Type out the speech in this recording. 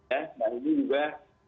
dan ini juga